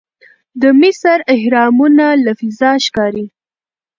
د مصر اهرامونه له فضا ښکاري.